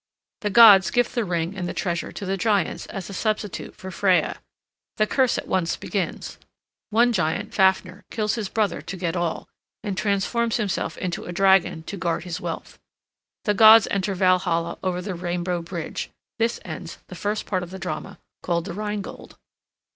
The gods give the ring and the treasure to the giants as a substitute for Freya. The curse at once begins. One giant, Fafner, kills his brother to get all, and transforms himself into a dragon to guard his wealth. The gods enter Valhalla over the rainbow bridge. This ends the first part of the drama, called the Rhine Gold.